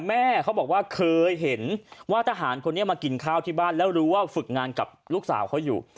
แม่เขาบอกว่าเคยเห็นว่าทหารคนนี้มากินข้าวที่บ้านแล้วรู้ว่าฝึกงานกับลูกสาวเขาอยู่